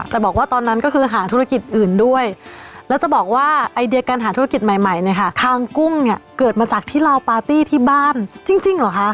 แต่บอกว่าตอนนั้นก็คือหาธุรกิจอื่นด้วยแล้วจะบอกว่าไอเดียการหาธุรกิจใหม่ใหม่เนี่ยค่ะคางกุ้งเนี่ยเกิดมาจากที่ลาวปาร์ตี้ที่บ้านจริงเหรอคะ